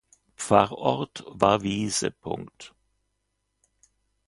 Pfarrort war Wiese.